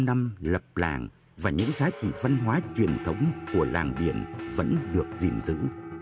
bốn trăm linh năm lập làng và những giá trị văn hóa truyền thống của làng điện vẫn được gìn giữ